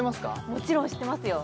もちろん知ってますよ